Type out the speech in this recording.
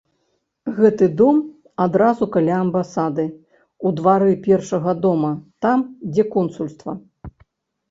Гэты дом адразу каля амбасады, у двары першага дома, там, дзе консульства.